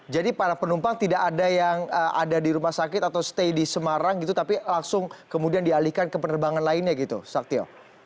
jadi para penumpang tidak ada yang ada di rumah sakit atau stay di semarang gitu tapi langsung kemudian dialihkan ke penerbangan lainnya gitu saktio